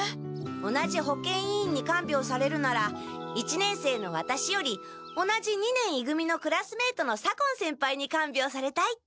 同じ保健委員にかんびょうされるなら一年生のワタシより同じ二年い組のクラスメートの左近先輩にかんびょうされたいって。